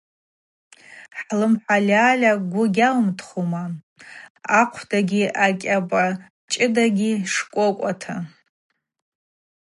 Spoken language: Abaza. Хӏлымхӏальальа гвы гьауымтхума, ахъахъвдагьи акӏьапачӏыдагьи шкӏвокӏвата.